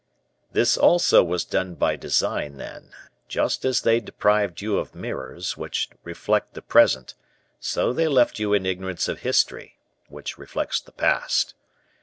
"This also was done by design, then; just as they deprived you of mirrors, which reflect the present, so they left you in ignorance of history, which reflects the past.